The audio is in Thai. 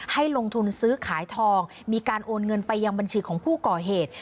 ให้ลงทุนซื้อขายทองมีการโอนเงินไปยังบัญชีของผู้ก่อเหตุ